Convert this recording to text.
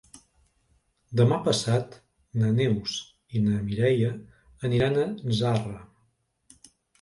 Demà passat na Neus i na Mireia aniran a Zarra.